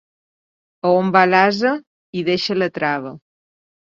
A on va l'ase, hi deixa la trava.